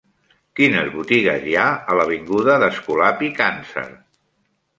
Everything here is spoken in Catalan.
Quines botigues hi ha a l'avinguda d'Escolapi Càncer?